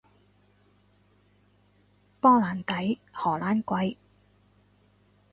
波蘭低，荷蘭貴